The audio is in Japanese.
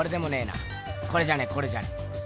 これじゃねえこれじゃねえ。